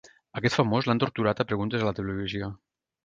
Aquest famós l'han torturat a preguntes a la televisió.